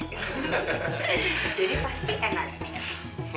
jadi pasti enak ya